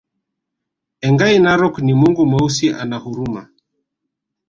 Engai Narok ni mungu Mweusi ana huruma